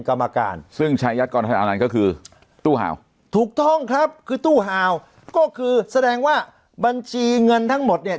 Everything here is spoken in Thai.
ก็คือตู้ทุกท่องครับคือตู้ก็คือแสดงว่าบัญชีเงินทั้งหมดเนี้ย